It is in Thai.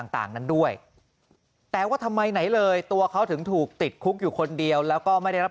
ต่างนั้นด้วยแต่ว่าทำไมไหนเลยตัวเขาถึงถูกติดคุกอยู่คนเดียวแล้วก็ไม่ได้รับ